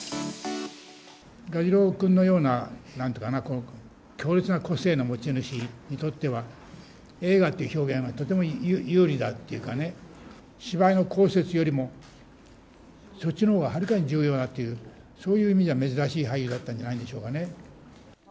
蛾次郎君のような、なんというかな、強烈な個性の持ち主にとっては、映画って表現は、とても有利だっていうかね、芝居の巧拙よりも、そっちのほうがはるかに重要だっていう、そういう意味じゃ、珍しい俳優だったんじゃないでしょうかね。